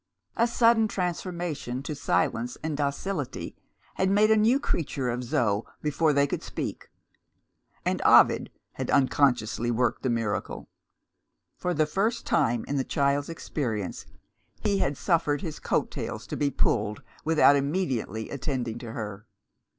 A sudden transformation to silence and docility had made a new creature of Zo, before they could speak and Ovid had unconsciously worked the miracle. For the first time in the child's experience, he had suffered his coat tails to be pulled without immediately attending to her.